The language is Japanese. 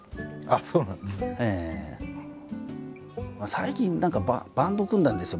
最近何かバンドを組んだんですよ